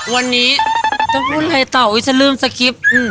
วันนี้จะพูดอะไรต่ออุ๊ยฉันลืมสคริปต์